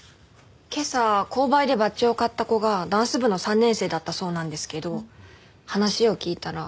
今朝購買でバッジを買った子がダンス部の３年生だったそうなんですけど話を聞いたら。